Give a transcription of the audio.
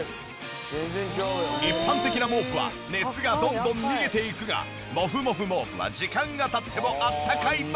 一般的な毛布は熱がどんどん逃げていくがモフモフ毛布は時間が経ってもあったかいまま。